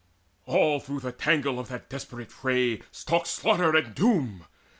All through the tangle of that desperate fray Stalked slaughter and doom.